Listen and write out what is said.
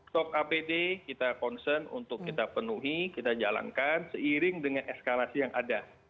stok apd kita concern untuk kita penuhi kita jalankan seiring dengan eskalasi yang ada